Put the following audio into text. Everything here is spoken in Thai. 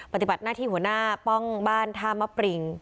ปฏิบัติหน้าที่หัวหน้าป้องบ้านท่ามะปริง